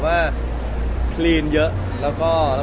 อ๋อน้องมีหลายคน